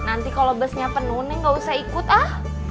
nanti kalau busnya penuh nih gak usah ikut ah